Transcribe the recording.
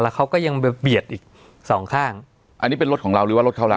เขาก็ยังไปเบียดอีกสองข้างอันนี้เป็นรถของเราหรือว่ารถเขาเรา